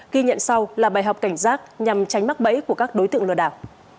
ghi nhận sau là bài học cảnh giác nhằm tránh mắc bẫy của các đối tượng lừa đảo